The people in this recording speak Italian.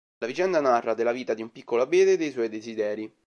La vicenda narra della vita di un piccolo abete e dei suoi desideri.